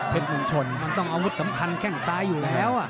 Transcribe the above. เพชรเมืองชนมันต้องเอาอุทสำคัญแค่งซ้ายอยู่แล้วอ่ะ